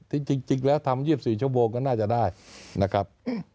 จริงแล้วทำ๒๔ชั่วโมงก็น่าจะได้นะครับ